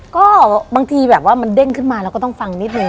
ก็บางทีแบบว่ามันเด้งขึ้นมาเราก็ต้องฟังนิดนึ